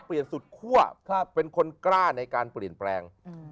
เปลี่ยนสุดขั้วเป็นคนกล้าในการเปลี่ยนแปลง